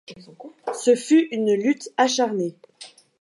Ce fut une lutte acharnée.